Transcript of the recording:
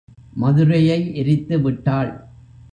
மதுரையை எரித்து விட்டாள்.